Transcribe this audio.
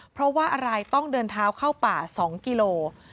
เพราะว่าอะไรต้องเดินเท้าเข้าป่า๒กิโล